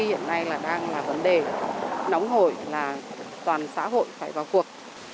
hiện nay là đang là vấn đề nóng hổi là toàn xã hội phải vào cuộc